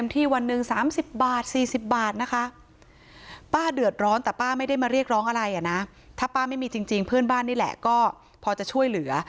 ถ้าป้าไม่มีจริงเพื่อนบ้านนี่แหละก็พอจะช่วยเหลือ